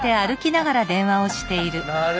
なる！